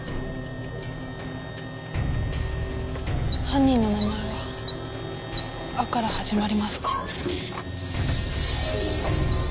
犯人の名前は「あ」から始まりますか？